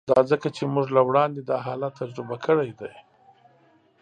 دا ځکه چې موږ له وړاندې دا حالت تجربه کړی دی